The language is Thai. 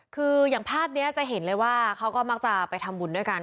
คืออย่างภาพนี้จะเห็นเลยว่าเขาก็มักจะไปทำบุญด้วยกัน